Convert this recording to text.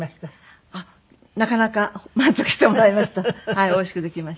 はいおいしくできました。